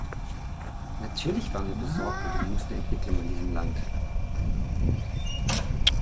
Natürlich waren wir besorgt über die jüngsten Entwicklungen in diesem Land.